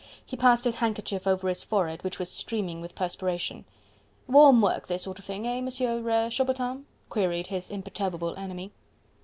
He passed his handkerchief over his forehead, which was streaming with perspiration. "Warm work, this sort of thing... eh... Monsieur... er... Chaubertin?..." queried his imperturbable enemy.